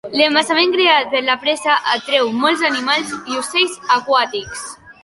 L'embassament creat per la presa atreu molts animals i ocells aquàtics.